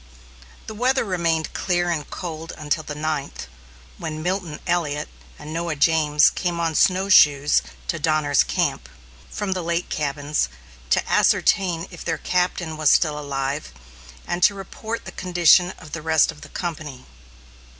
The weather remained clear and cold until the ninth, when Milton Elliot and Noah James came on snowshoes to Donner's camp, from the lake cabins, to ascertain if their captain was still alive, and to report the condition of the rest of the company.